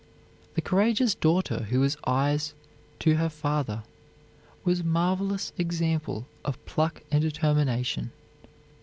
The courageous daughter who was eyes to her father was herself a marvelous example of pluck and determination.